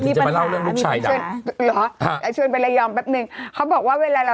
มีปัญหานิดนึงทำอะไรคะ